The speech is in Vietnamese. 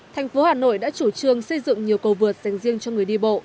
thành phố hà nội đã chủ trương xây dựng nhiều cầu vượt dành riêng cho người đi bộ